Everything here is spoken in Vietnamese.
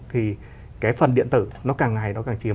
thì cái phần điện tử nó càng ngày nó càng chiếm